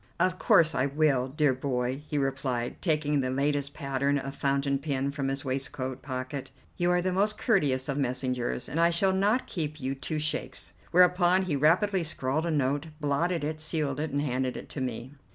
"Of course I will, dear boy," he replied, taking the latest pattern of fountain pen from his waistcoat pocket; "you are the most courteous of messengers, and I shall not keep you two shakes." Whereupon he rapidly scrawled a note, blotted it, sealed it, and handed it to me.